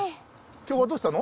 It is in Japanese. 今日はどうしたの？